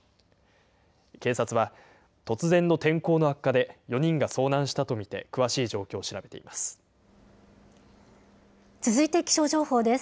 警察は、突然の天候の悪化で４人が遭難したと見て、詳しい状況を続いて気象情報です。